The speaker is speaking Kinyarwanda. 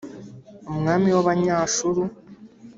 umwami w’Abanyashuru !